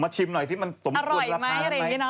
มาชิมหน่อยถึงเสร็จมันรัก